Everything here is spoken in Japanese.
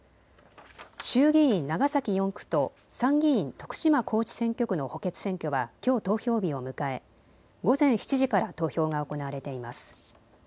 徳島高知選挙区の補欠選挙はきょう投票日を迎え、午前７時から投票が行われています。